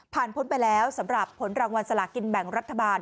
พ้นไปแล้วสำหรับผลรางวัลสลากินแบ่งรัฐบาล